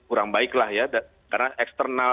kurang baik lah ya karena eksternal